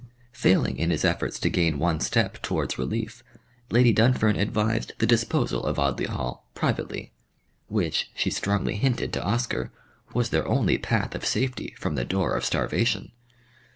Failing in his efforts to gain one step towards relief, Lady Dunfern advised the disposal of Audley Hall privately, which, she strongly hinted to Oscar, was their only path of safety from the door of starvation.